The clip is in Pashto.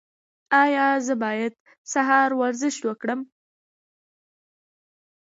ایا زه باید سهار ورزش وکړم؟